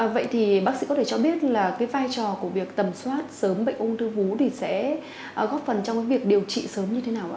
vậy thì bác sĩ có thể cho biết vai trò của việc tầm soát sớm bệnh ung thư vú sẽ góp phần trong việc điều trị sớm như thế nào